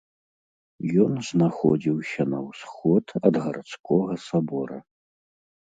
Ён знаходзіўся на ўсход ад гарадскога сабора.